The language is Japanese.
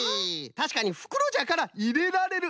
たしかにふくろじゃからいれられる。